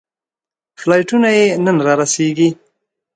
فلایټونه یې نن رارسېږي.